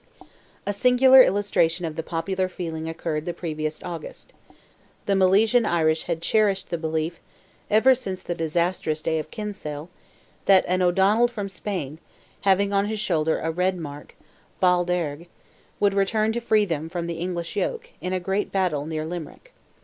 A singular illustration of the popular feeling occurred the previous August. The Milesian Irish had cherished the belief ever since the disastrous day of Kinsale, that an O'Donnell from Spain, having on his shoulder a red mark (ball derg), would return to free them from the English yoke, in a great battle near Limerick.